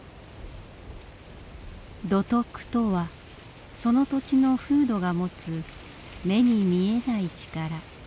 土徳とはその土地の風土が持つ目に見えない力。